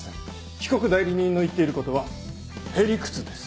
被告代理人の言っていることはヘリクツです。